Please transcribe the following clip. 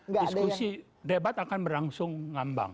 diskusi debat akan berlangsung ngambang